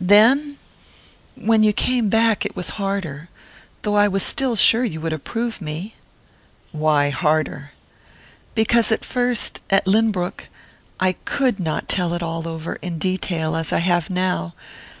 "Then when you came back it was harder...though I was still sure you would approve me." "Why harder?" "Because at first at Lynbrook I could not tell it all over, in detail, as I have now...